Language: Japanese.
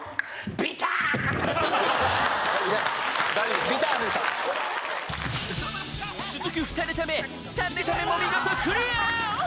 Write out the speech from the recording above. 「ビターッ」出た続く２ネタ目３ネタ目も見事クリア！